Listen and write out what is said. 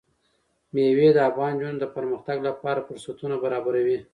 مېوې د افغان نجونو د پرمختګ لپاره فرصتونه برابروي.